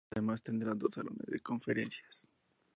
Además, tendrá dos salones de conferencias.